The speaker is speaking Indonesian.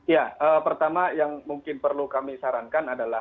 ya pertama yang mungkin perlu kami sarankan adalah